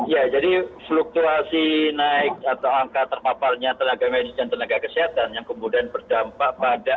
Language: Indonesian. ya jadi fluktuasi naik atau angka terpaparnya tenaga medis dan tenaga kesehatan yang kemudian berdampak pada